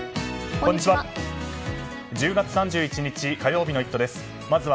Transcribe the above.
こんにちは。